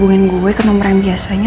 hubungin gue ke nomor yang biasanya